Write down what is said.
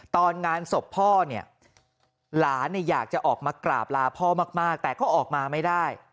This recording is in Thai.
ตอนงานศพพ่อเนี่ยหลานอยากจะออกมากราบลาพ่อมากแต่ก็ออกมาไม่ได้